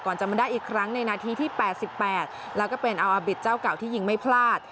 จะมาได้อีกครั้งในนาทีที่๘๘แล้วก็เป็นอัลอาบิตเจ้าเก่าที่ยิงไม่พลาด